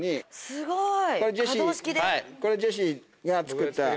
すっごい。